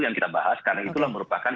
yang kita bahas karena itulah merupakan